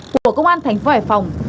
của công an thành phố hải phòng